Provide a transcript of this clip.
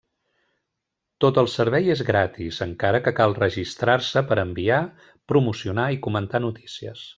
Tot el servei és gratis, encara que cal registrar-se per enviar, promocionar i comentar notícies.